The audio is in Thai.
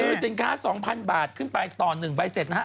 คือสินค้า๒๐๐บาทขึ้นไปต่อ๑ใบเสร็จนะฮะ